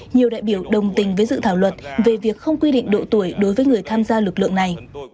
nhiều đại biểu đồng tình với dự thảo luật về việc không quy định độ tuổi đối với người tham gia lực lượng này